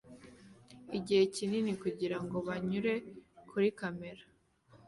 igihe kinini kugirango bamwenyure kuri kamera